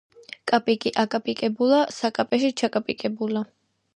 კაპიკი აკაპიკებულა საკაპეში ჩაკაპიკებულა